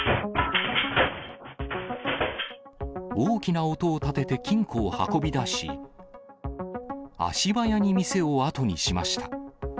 大きな音をたてて金庫を運び出し、足早に店を後にしました。